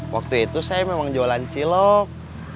waktu itu saya memang jualan cilok